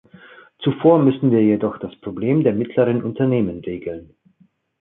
Zuvor müssen wir jedoch das Problem der mittleren Unternehmen regeln.